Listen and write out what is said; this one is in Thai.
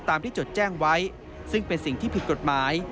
ตามที่จดแจ้งไว้ซึ่งเป็นสิ่งที่ผิดกฎหมาย